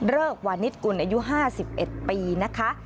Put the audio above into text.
เริกวานิดกุลอายุ๕๑ปีนะคะ